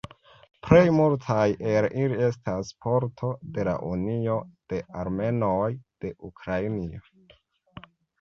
Plej multaj el ili estas parto de la "Unio de Armenoj de Ukrainio".